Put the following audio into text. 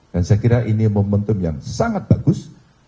dan saya kira ini momentum yang sangat bagus